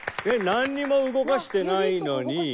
なんにも動かしてないのに。